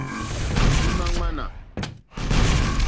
Ímá ŋmánà.